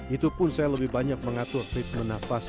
itu pun saya lebih banyak mengatur ritme nafas